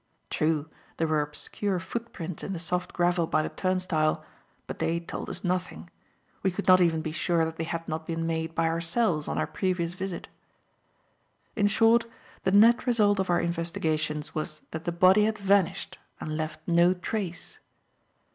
True, there were obscure foot prints in the soft gravel by the turnstile, but they told us nothing; we could not even be sure that they had not been made by ourselves on our previous visit. In short, the net result of our investigations was that the body had vanished and left no trace.